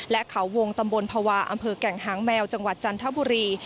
และเขาวงตำบลภาวะอำเภอแก่งหางแมวจังหวัดจันทบุรี